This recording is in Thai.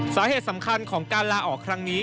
สาเหตุสำคัญของการลาออกครั้งนี้